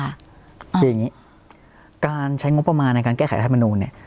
คืออย่างนี้การใช้งบประมาณในการแก้ไขรัฐมนูลเนี่ย